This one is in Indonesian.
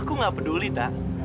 aku nggak peduli tak